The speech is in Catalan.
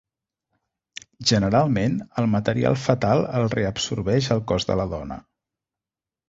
Generalment, el material fetal el reabsorbeix el cos de la dona.